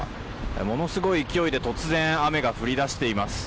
ものすごい勢いで突然雨が降り出しています。